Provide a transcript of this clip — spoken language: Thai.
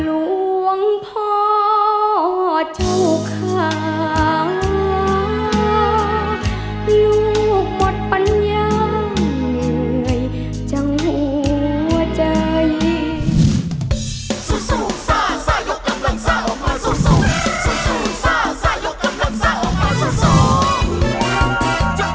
หลวงพ่อเจ้าขาลูกหมดปัญญาเหนื่อยจังหัวใจ